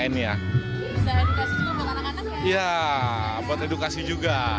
iya buat edukasi juga